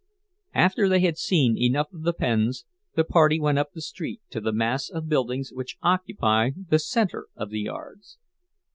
After they had seen enough of the pens, the party went up the street, to the mass of buildings which occupy the center of the yards.